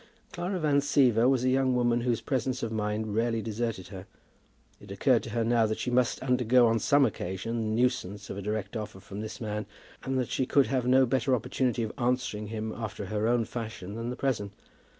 Clara Van Siever was a young woman whose presence of mind rarely deserted her. It occurred to her now that she must undergo on some occasion the nuisance of a direct offer from this man, and that she could have no better opportunity of answering him after her own fashion than the present.